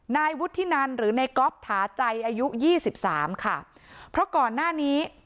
นายวุฒินันหรือในก๊อฟถาใจอายุยี่สิบสามค่ะเพราะก่อนหน้านี้